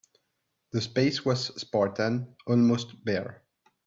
The space was spartan, almost bare.